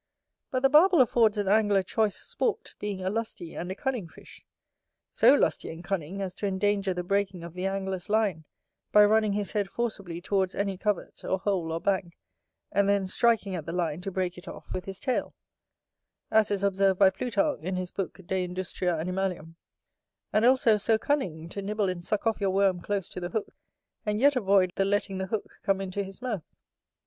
But the Barbel affords an angler choice sport, being a lusty and a cunning fish; so lusty and cunning as to endanger the breaking of the angler's line, by running his head forcibly towards any covert, or hole, or bank, and then striking at the line, to break it off, with his tail; as is observed by Plutarch, in his book De Industria Animalium: and also so cunning, to nibble and suck off your worm close to the hook, and yet avoid the letting the hook come into his mouth.